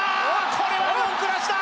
これは文句なしだ！